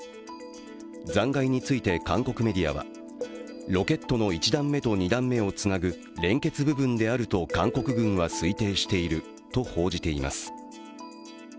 残骸について韓国メディアはロケットの１段目と２段目をつなぐ連結部分であると韓国軍は推定していると報じています。